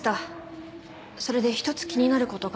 それで一つ気になる事が。